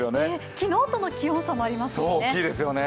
昨日との気温差もありますよね。